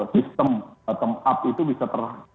sistem bottom up itu bisa ter